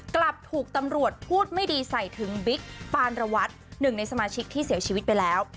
กลับถูกตำรวจพูดไม่ดีใส่ถึงบิ๊กปานระวัตรหนึ่งในสมาชิกที่เสียชีวิตไปแล้ว